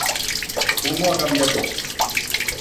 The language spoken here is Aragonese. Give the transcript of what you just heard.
Cómo ha cambiato!